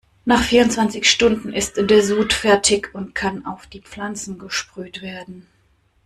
Nach vierundzwanzig Stunden ist der Sud fertig und kann auf die Pflanzen gesprüht werden.